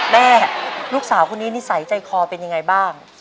แม่ลูกสาวคนนี้นิสัยใจคอเป็นยังไงบ้าง